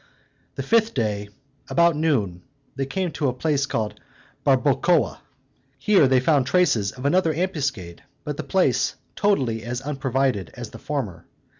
The fifth day, about noon, they came to a place called Barbacoa. Here they found traces of another ambuscade, but the place totally as unprovided as the former.